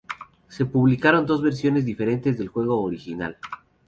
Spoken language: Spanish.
Se publicaron dos versiones diferentes del juego original.